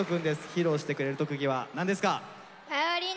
披露してくれる特技は何ですか？